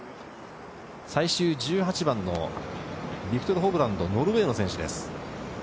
最終１８番のビクトル・ホブランド、ノルウェーの選手です。